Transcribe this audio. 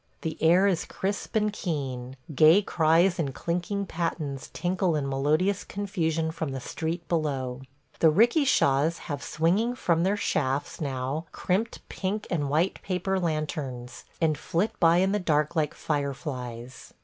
The air is crisp and keen; gay cries and clinking pattens tinkle in melodious confusion from the street below. The 'rikishas have swinging from their shafts now crimped pink and white paper lanterns, and flit by in the dark like fire flies.